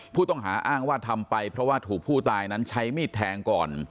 ผู้ต้องหาอ้างว่าทำไปเพราะว่าถูกผู้ตายนั้นใช้มีดแทงก่อน